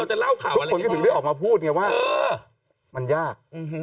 ทุกคนคิดถึงได้ออกมาพูดไงว่ามันยาก